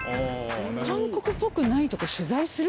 韓国っぽくないとこ取材する？